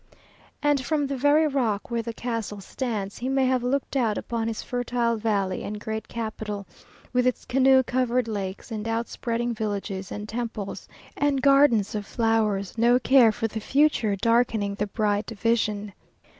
And from the very rock where the castle stands, he may have looked out upon his fertile valley and great capital, with its canoe covered lakes and outspreading villages and temples, and gardens of flowers, no care for the future darkening the bright vision!